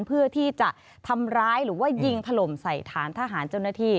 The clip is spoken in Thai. เพื่อที่จะทำร้ายหรือว่ายิงถล่มใส่ฐานทหารเจ้าหน้าที่